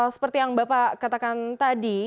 seperti yang bapak katakan tadi